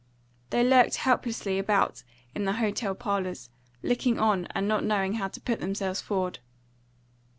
They lurked helplessly about in the hotel parlours, looking on and not knowing how to put themselves forward.